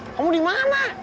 eh kamu dimana